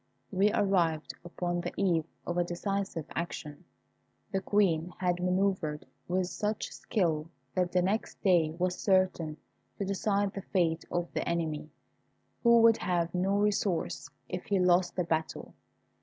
We arrived upon the eve of a decisive action. The Queen had manœuvred with such skill that the next day was certain to decide the fate of the enemy, who would have no resource if he lost the battle.